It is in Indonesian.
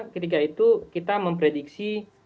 ketika itu kita memprediksi